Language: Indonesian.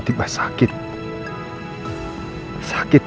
siapkan siapkan siapkan siapkan siapkan siapkan